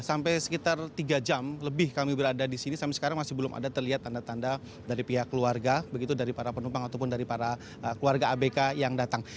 sampai sekitar tiga jam lebih kami berada di sini sampai sekarang masih belum ada terlihat tanda tanda dari pihak keluarga begitu dari para penumpang ataupun dari para keluarga abk yang datang